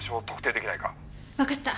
わかった。